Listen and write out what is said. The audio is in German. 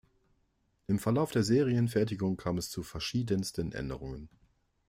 Im Verlauf der Serienfertigung kam es zu verschiedensten Änderungen.